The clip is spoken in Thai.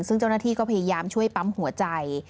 ซึ่งเจ้าหน้าที่ก็พยายามช่วยปั๊มหัวใจ